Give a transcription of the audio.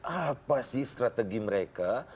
apa sih strategi mereka